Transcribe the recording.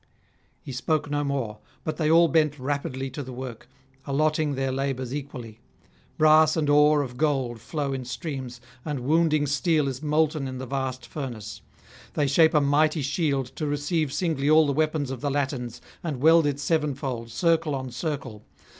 He spoke no more; but they all bent rapidly to the work, allotting their labours equally. Brass and ore of gold flow in streams, and wounding steel is molten in the vast furnace. They shape a mighty shield, to receive singly all the weapons of the Latins, and weld it sevenfold, circle on circle.